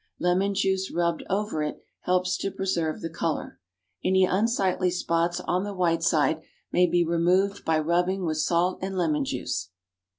Lemon juice rubbed over it helps to preserve the colour. Any unsightly spots on the white side may be removed by rubbing with salt and lemon juice.